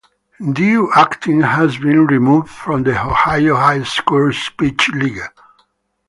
Duet Acting has been removed from the Ohio High School Speech League.